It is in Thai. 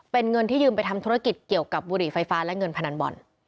เป็นเงินที่ยืมไปทำธุรกิจเกี่ยวกับบุหรี่ไฟฟ้าและเงินพนันบอล